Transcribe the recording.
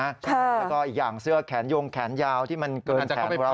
แล้วก็อีกอย่างเสื้อแขนยงแขนยาวที่มันเกินแขนเรา